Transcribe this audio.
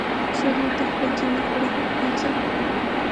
سړي ورته خوله جينګه کړه نو څه.